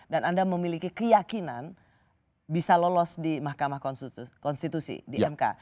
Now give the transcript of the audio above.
dan anda memiliki keyakinan bisa lolos di mahkamah konstitusi di mk